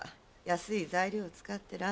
安い材料を使ってる。